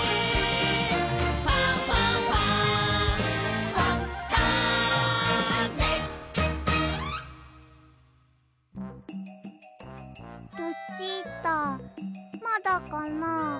「ファンファンファン」ルチータまだかな。